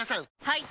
はい！